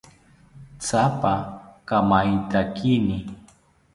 Tyapa kamaiyakini